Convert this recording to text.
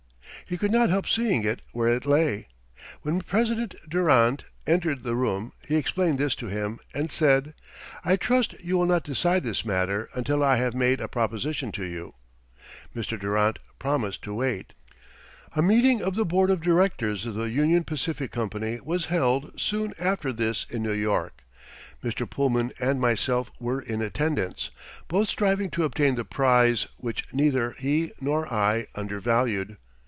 He could not help seeing it where it lay. When President Durrant entered the room he explained this to him and said: "I trust you will not decide this matter until I have made a proposition to you." Mr. Durrant promised to wait. A meeting of the board of directors of the Union Pacific Company was held soon after this in New York. Mr. Pullman and myself were in attendance, both striving to obtain the prize which neither he nor I undervalued.